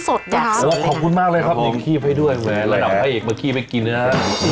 โอ้โฮขอบคุณมากเลยครับนี่ดีกว่าขี้ไปให้ด้วยมาขี้ไปกินน่ะ